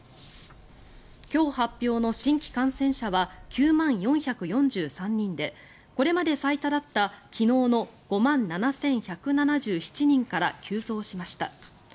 今日発表の新規感染者は９万４４３人でこれまで最多だった昨日の５万７１７７人から急増しました。